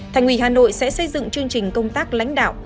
thành ủy hà nội sẽ xây dựng chương trình công tác lãnh đạo